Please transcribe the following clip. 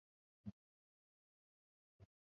Kupoteza hamu ya chakula na kufadhaika